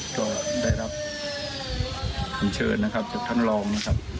ก็ได้รับคำเชิญนะครับจากท่านรองนะครับ